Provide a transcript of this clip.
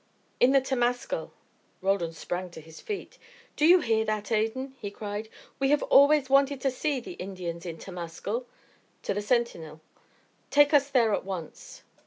"In the temascal." Roldan sprang to his feet. "Do you hear that, Adan?" he cried. "We have always wanted to see Indians in temascal." To the sentinel, "Take us there at once."